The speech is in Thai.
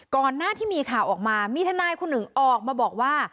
หน้าที่มีข่าวออกมามีทนายคนหนึ่งออกมาบอกว่า